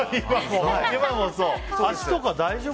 足とか大丈夫？